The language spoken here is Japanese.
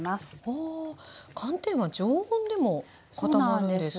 ああ寒天は常温でも固まるんですか？